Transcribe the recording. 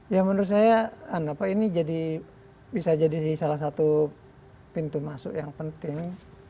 ya menurut saya ini bisa jadi salah satu pintu masuk yang penting